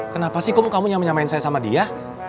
kenapa sih kamu nyamain nyamain saya sama dia